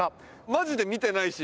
マジで見てないし